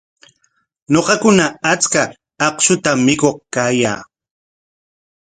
Ñuqakuna achka akshutam mikuq kayaa.